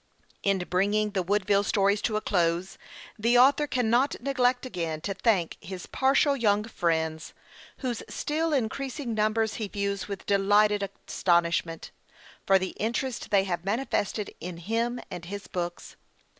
In bringing the Woodville stories to a close, the author 1* (5) 6 PREFACE. cannot neglect again to thank his partial young friends whose still increasing numbers he views with delighted astonishment for the interest they have manifested in him and his books.